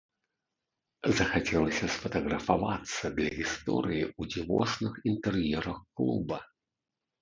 Захацелася сфатаграфавацца для гісторыі ў дзівосных інтэр'ерах клуба.